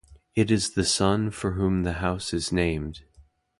It is the son for whom the house is named.